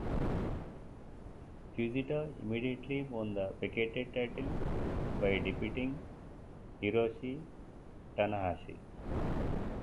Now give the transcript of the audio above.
Fujita immediately won the vacated title by defeating Hiroshi Tanahashi.